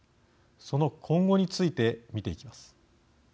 その今後について見ていきます。